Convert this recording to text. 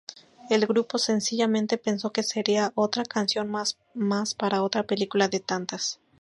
El grupo sencillamente pensó que sería otra canción más para otra película de tantas.